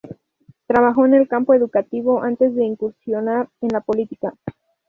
Trabajó en el campo educativo antes de incursionar en la política.